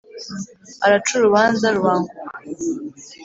araca urubanza rubanguka